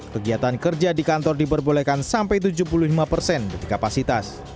kegiatan kerja di kantor diperbolehkan sampai tujuh puluh lima persen dari kapasitas